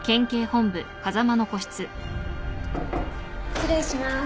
失礼します。